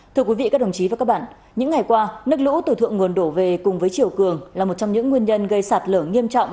thưa quý vị các đồng chí và các bạn những ngày qua nước lũ từ thượng nguồn đổ về cùng với chiều cường là một trong những nguyên nhân gây sạt lở nghiêm trọng